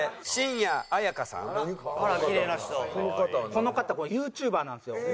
この方ＹｏｕＴｕｂｅｒなんですよ。